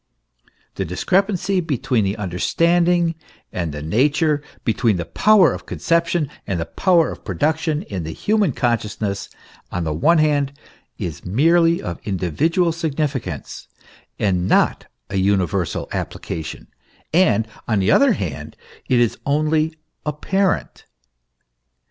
The discrepancy between the understanding and the nature, between the power of conception and the power of production in the human consciousness, on the one hand is merely of individual significance and has not a universal appli cation ; and, on the other hand, it is only apparent.